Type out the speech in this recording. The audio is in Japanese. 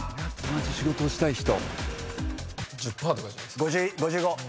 同じ仕事をしたい人。